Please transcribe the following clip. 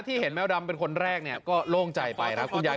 ที่เห็นแมวดำเป็นคนแรกก็โล่งใจไปนะคุณยาย